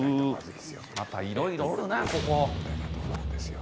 またいろいろおるな、ここ。